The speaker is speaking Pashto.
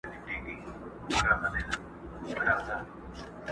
چي بیا تښتي له کابله زخمي زړونه مات سرونه!.